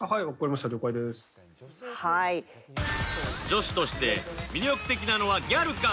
女子として魅力的なのはギャルか？